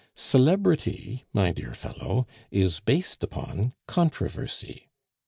Celebrity, my dear fellow, is based upon controversy.